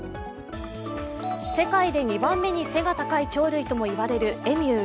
世界で２番目に背が高い鳥類とも言われるエミュー。